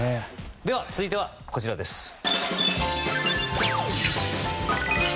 では、続いてはこちらです。